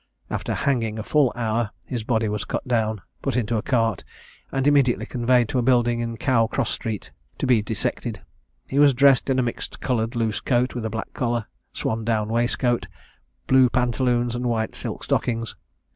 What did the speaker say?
After hanging a full hour, his body was cut down, put into a cart, and immediately conveyed to a building in Cow cross street to be dissected. He was dressed in a mixed coloured loose coat, with a black collar, swan down waistcoat, blue pantaloons, and white silk stockings.